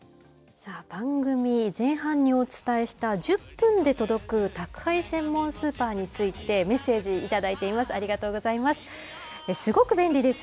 さあ、番組前半にお伝えした１０分で届く宅配専門スーパーについて、メッセージ頂いています。